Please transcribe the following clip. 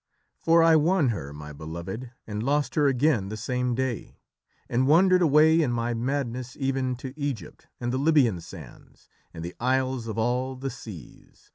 For I won her, my beloved, and lost her again the same day, and wandered away in my madness even to Egypt and the Libyan sands, and the isles of all the seas....